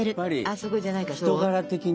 そこじゃないから。